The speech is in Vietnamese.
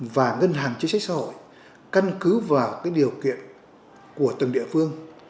và ngân hàng chính sách xã hội căn cứ vào cái điều kiện của từng địa phương